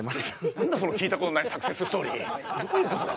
何だその聞いたことないサクセスストーリーどういうことだ